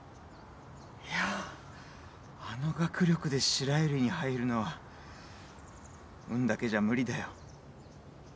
いやぁあの学力で白百合に入るのは運だけじゃ無理だよ。